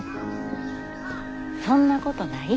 そんなことない。